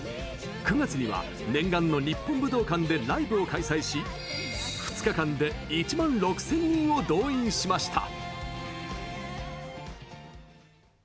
９月には、念願の日本武道館でライブを開催し２日間で１万６０００人を動員しました。